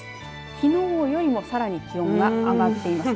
きのうよりもさらに気温が上がっています。